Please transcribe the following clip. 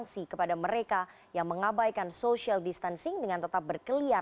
selamat bertugas kembali